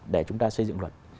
để chúng ta xây dựng luật